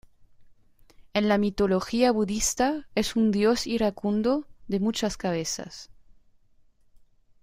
En la mitología budista es un dios iracundo de muchas cabezas.